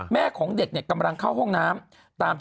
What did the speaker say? แม่ของเด็กกำลังเข้าห้องน้ำ